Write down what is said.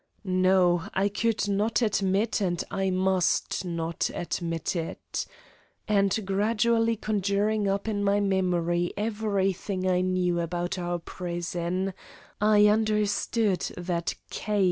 No, I could not admit and I must not admit it. And gradually conjuring up in my memory everything I knew about our prison, I understood that K.